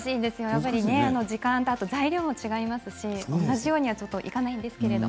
やっぱり時間とあと材料も違いますし同じようにはいかないんですけど。